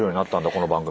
この番組。